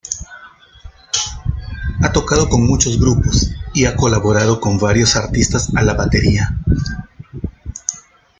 Ha tocado con muchos grupos y ha colaborado con varios artistas a la batería.